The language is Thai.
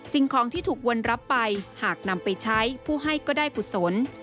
สิ่งของที่ถูกวนรับไปหากนำไปใช้ผู้ให้ก็ได้กุศล